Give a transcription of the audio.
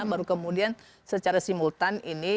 baru kemudian secara simultan ini